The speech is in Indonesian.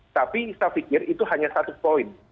tapi saya pikir itu hanya satu poin